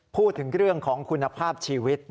พูดถึงเรื่องของคุณภาพชีวิต